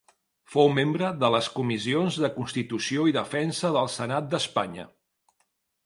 Fou membre de les comissions de Constitució i Defensa del Senat d'Espanya.